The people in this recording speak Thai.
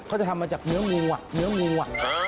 ก็จะทำมาจากเนื้อมัว